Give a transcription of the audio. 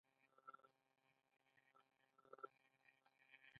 آیا دوی ویډیو ګیمونه نه جوړوي؟